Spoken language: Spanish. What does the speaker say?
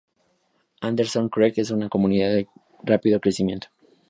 Anderson Creek es una comunidad de rápido crecimiento.